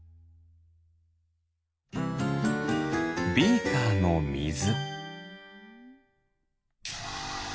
ビーカーのみず。